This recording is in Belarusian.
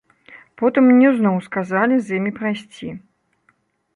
Потым мне зноў сказалі з імі прайсці.